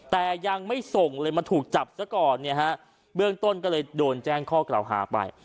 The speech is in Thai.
แต่ยังไม่ส่งเลยมาถูกจับซะก่อนเนี่ยฮะเบื้องต้นก็เลยโดนแจ้งข้อกล่าวหาไป